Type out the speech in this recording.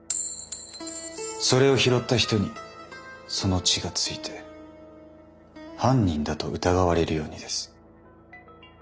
それを拾った人にその血が付いて犯人だと疑われるようにです。